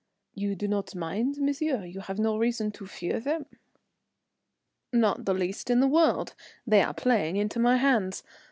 "You do not mind, monsieur? You have no reason to fear them?" "Not the least in the world, they are playing into my hands.